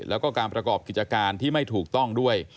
แล้วก็การประกอบกิจการที่ไม่ถูกต้องด้วย